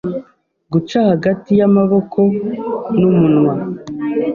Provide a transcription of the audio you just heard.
guca hagati y'amaboko n'umunwa